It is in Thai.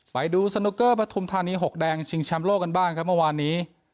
ไปดูสนุกเกอร์ปฐุมธานี๖แดงชิงแชมป์โลกกันบ้างครับเมื่อวานนี้